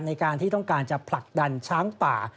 ในการที่ต้องการจะผลักดันช้างป่า